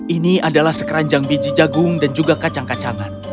ini adalah sekeranjang biji jagung dan juga kacang kacangan